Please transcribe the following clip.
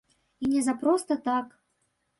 І не за проста так.